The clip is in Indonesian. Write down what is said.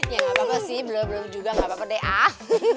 ya gapapa sih belum juga gapapa deh ah